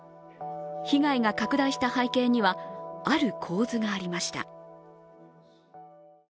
被害が拡大した背景にはある構図がありました。